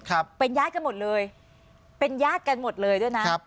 ครับเป็นญาติกันหมดเลยเป็นญาติกันหมดเลยด้วยนะครับ